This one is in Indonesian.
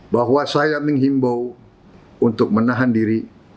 bahwa saya menghimbau untuk menahan diri